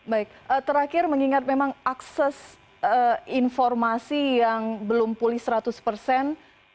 baik terakhir mengingat memang akses informasi yang belum pulih seratus persen